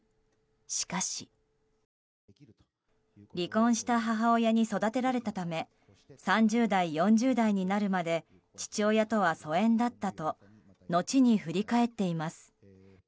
しかし、離婚した母親に育てられたため３０代、４０代になるまで父親とは疎遠だったと後に振り返っています。